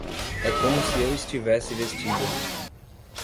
É como se eu estivesse vestida!